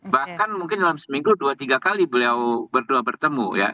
bahkan mungkin dalam seminggu dua tiga kali beliau berdua bertemu ya